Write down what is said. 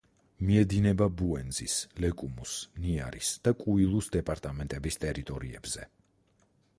მიედინება ბუენზის, ლეკუმუს, ნიარის და კუილუს დეპარტამენტების ტერიტორიებზე.